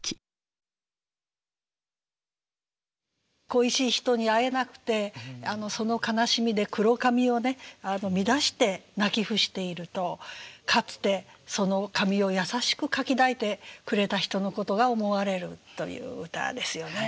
「恋しい人に会えなくてその悲しみで黒髪を乱して泣き伏しているとかつてその髪を優しくかき抱いてくれた人のことが思われる」という歌ですよね。